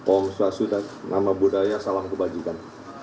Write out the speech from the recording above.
om swasudat nama budaya salam kebajikan